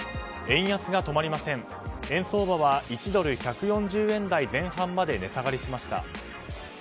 円相場は１ドル＝１４０円台前半まで値下がりしました。